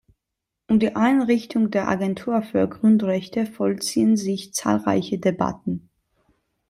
Um die Einrichtung der Agentur für Grundrechte vollziehen sich zahlreiche Debatten.